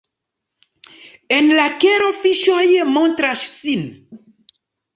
En la kelo fiŝoj montras sin.